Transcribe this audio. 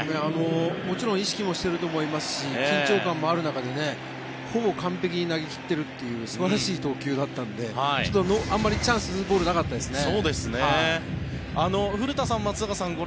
もちろん意識もしていると思いますし緊張感もある中でほぼ完璧に投げ切っているという素晴らしい投球だったのであまりチャンスのボールはなかったですね。